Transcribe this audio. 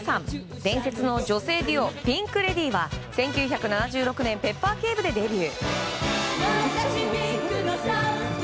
伝説の女性デュオピンク・レディーは１９７６年「ペッパー警部」でデビュー。